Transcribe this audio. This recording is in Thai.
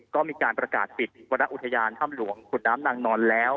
ก็มีการประกาศปิดวรรณอุทยานถ้ำหลวงขุนน้ำนางนอนแล้ว